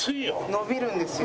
伸びるんですよ。